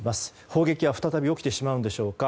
砲撃は再び起きてしまうんでしょうか。